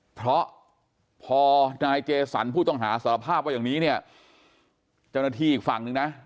เพราะพอนายเจสันผู้ต้องหาสารภาพว่าอย่างนี้เนี่ยเจ้าหน้าที่อีกฝั่งนึงนะ